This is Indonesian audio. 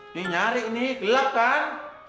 nih nyari nih gelap kan